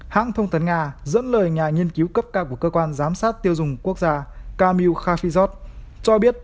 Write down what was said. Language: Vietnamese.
hãng thông tấn nga dẫn lời nhà nghiên cứu cấp cao của cơ quan giám sát tiêu dùng quốc gia kamil khafizat cho biết